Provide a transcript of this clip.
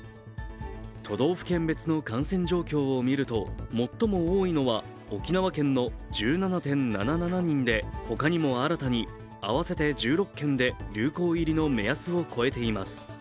都道府県別の感染状況を見ると最も多いのは沖縄県の１７．７７人で他にも新たに合わせて１６県で流行入りの目安を越えています。